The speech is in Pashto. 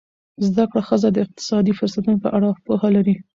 زده کړه ښځه د اقتصادي فرصتونو په اړه پوهه لري.